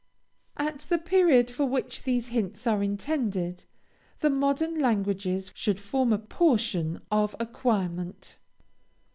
At the period for which these hints are intended, the Modern Languages should form a portion of acquirement.